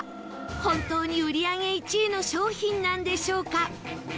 本当に売り上げ１位の商品なんでしょうか？